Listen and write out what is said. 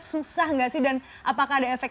susah nggak sih dan apakah ada efek